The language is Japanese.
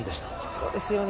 そうですよね。